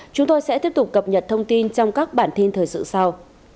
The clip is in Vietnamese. chúng tôi sẽ tiếp tục cập nhật thông tin trong các bản tin thời sự sau